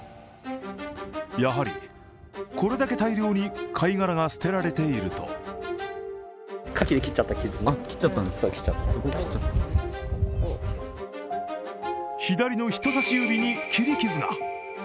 やはり、これだけ大量に貝殻が捨てられていると左の人さし指に切り傷が。